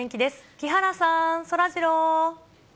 木原さん、そらジロー。